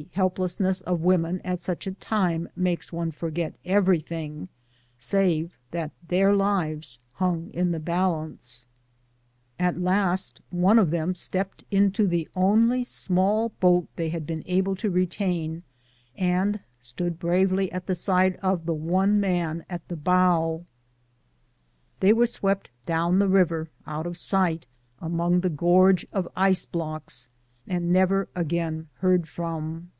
231 helplessness of women at sucli a time makes one forget everything, save that their lives hang in the balance. At last one of them stepped into the only small boat they had been able to retain, and standing bravely at the side of the one man at the bow, they were swept down the river ont of sight among the gorge of ice blocks and never again heard from.